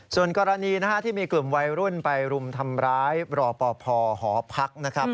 ส่วนกรณีที่มีกลุ่มวัยรุ่นไปรุมทำร้ายรอปภหอพักนะครับ